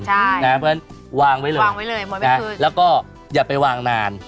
เพราะฉะนั้นวางไว้เลยแล้วก็อย่าไปวางนาน